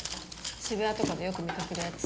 渋谷とかでよく見かけるやつ。